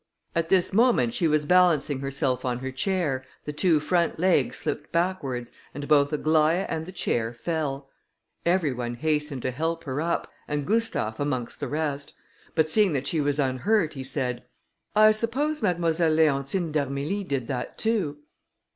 At this moment she was balancing herself on her chair, the two front legs slipped backwards, and both Aglaïa and the chair fell. Every one hastened to help her up, and Gustave amongst the rest; but seeing that she was unhurt, he said, "I suppose Mademoiselle Leontine d'Armilly did that too."